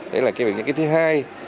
đấy là cái thứ hai